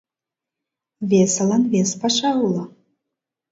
Весылан вес паша уло.